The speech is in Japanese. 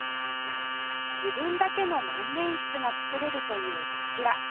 自分だけの万年筆が作れるというこちら